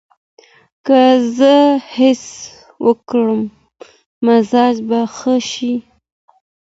که زه هڅه وکړم، مزاج به ښه شي.